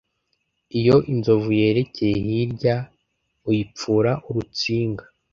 Iyo inzovu yerekeye hirya uyipfura urutsinga.